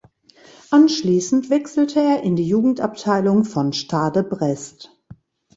Anschließend wechselte er in die Jugendabteilung von Stade Brest.